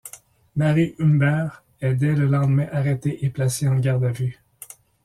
Marie Humbert est dès le lendemain arrêtée et placée en garde à vue.